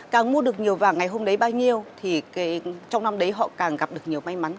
càng mua được nhiều vàng ngày hôm đấy bao nhiêu thì trong năm đấy họ càng gặp được nhiều may mắn